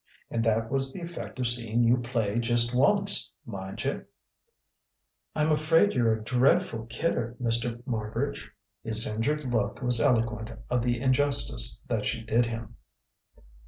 And that was the effect of seeing you play just once, mind you!" "I'm afraid you're a dreadful kidder, Mr. Marbridge." His injured look was eloquent of the injustice that she did him.